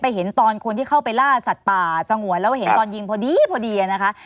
เห็นตอนคนที่เข้าไปล่าสัตว์ป่าสงวนแล้วเห็นตอนยิงพอดีพอดีนะคะ